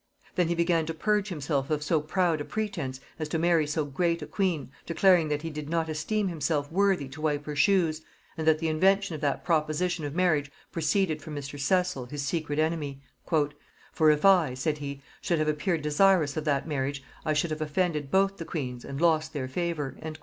Then he began to purge himself of so proud a pretence as to marry so great a queen, declaring that he did not esteem himself worthy to wipe her shoes, and that the invention of that proposition of marriage proceeded from Mr. Cecil, his secret enemy: "For if I," said he, "should have appeared desirous of that marriage, I should have offended both the queens, and lost their favor."